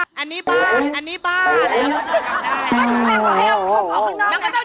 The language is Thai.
ก็ต้องเจาะตรงด้านนั้นสิ